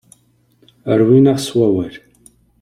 Rwin-aɣ s wawal.